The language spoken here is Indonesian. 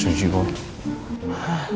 kursi keras lagi ya